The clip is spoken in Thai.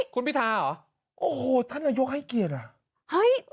คุณพิธาหรือโอ้โฮท่านนโยคให้เกียรติเหรอ